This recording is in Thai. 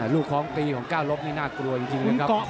ลูกคล้องตีของก้าวรบนี่น่ากลัวจริงนะครับ